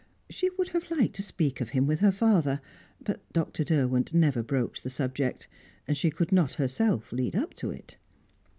She would have liked to speak of him with her father; but Dr. Derwent never broached the subject, and she could not herself lead up to it.